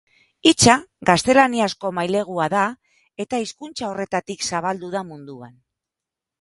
Hitza gaztelaniazko mailegua da eta hizkuntza horretatik zabaldu da munduan.